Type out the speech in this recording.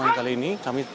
dan pemakaman kali ini